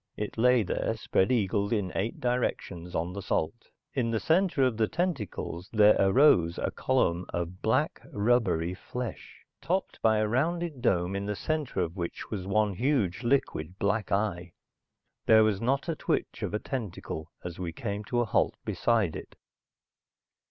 It lay there, spread eagled in eight directions, on the salt. In the center of the tentacles there arose a column of black rubbery flesh, topped by a rounded dome in the center of which was one huge liquid black eye. There was not a twitch of a tentacle as we came to a halt beside it.